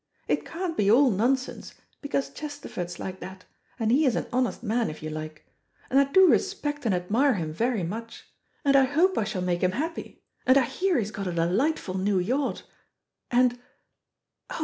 It can't be all nonsense, because Chesterford's like that, and he is an honest man if you like. And I do respect and admire him very much, and I hope I shall make him happy, and I hear he's got a delightful new yacht; and, oh!